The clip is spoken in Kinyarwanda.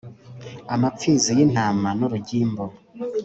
amapfizi y intama n urugimbu